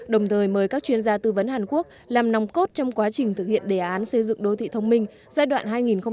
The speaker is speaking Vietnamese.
đồng thời mời các chuyên gia tư vấn hàn quốc làm nòng cốt trong quá trình thực hiện đề án xây dựng đô thị thông minh giai đoạn hai nghìn một mươi sáu hai nghìn hai mươi